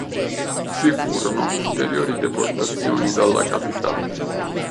Ci furono ulteriori deportazioni dalla capitale.